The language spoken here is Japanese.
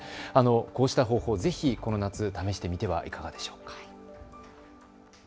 こうした方法、ぜひこの夏、試してみてはいかがでしょうか。